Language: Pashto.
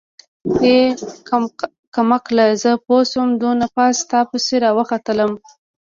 ای کمقله زه پوشوې دونه پاس تاپسې راوختلمه.